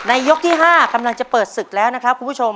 ยกที่๕กำลังจะเปิดศึกแล้วนะครับคุณผู้ชม